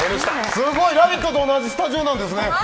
すごい、「ラヴィット！」と同じスタジオなんですね。